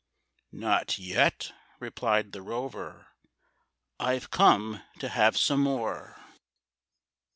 "Not yet," replied the rover; "I've come to have some more.